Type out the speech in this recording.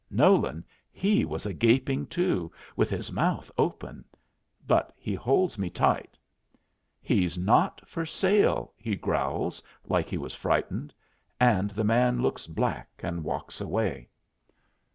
Nolan he was a gaping, too, with his mouth open. But he holds me tight. "He's not for sale," he growls, like he was frightened; and the man looks black and walks away.